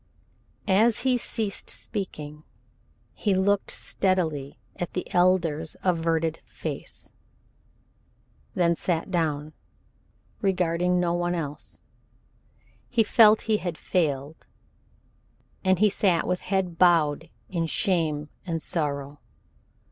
As he ceased speaking he looked steadily at the Elder's averted face, then sat down, regarding no one else. He felt he had failed, and he sat with head bowed in shame and sorrow.